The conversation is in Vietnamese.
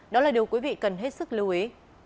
đó là điều quý vị cần hết sức lưu ý